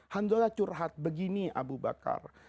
handola curhat begini abu bakar